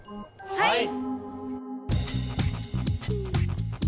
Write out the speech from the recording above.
はい！